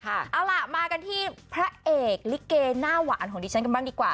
เอาล่ะมากันที่พระเอกลิเกหน้าหวานของดิฉันกันบ้างดีกว่า